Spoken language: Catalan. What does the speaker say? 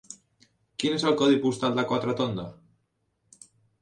Quin és el codi postal de Quatretonda?